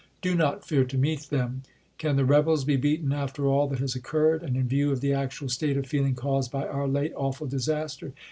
Do not fear to meet them. Can the rebels be beaten after all that has occurred, and in view of the actual state of feeling caused by our late, awful disaster